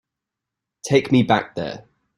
Take me back there.